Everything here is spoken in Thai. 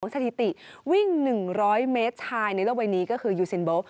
สถิติวิ่ง๑๐๐เมตรชายในโลกใบนี้ก็คือยูซินโบ